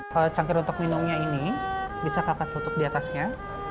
kalau cangkir untuk minumnya ini bisa kakak tutup di atasnya